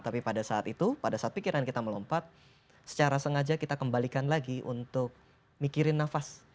tapi pada saat itu pada saat pikiran kita melompat secara sengaja kita kembalikan lagi untuk mikirin nafas